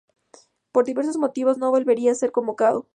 Por diversos motivos no volvería a ser convocado.